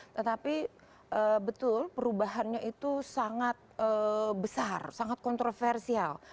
tetapi betul perubahannya itu sangat besar sangat kontroversial